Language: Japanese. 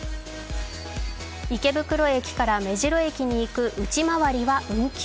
池袋駅から目白駅に行く内回りは運休。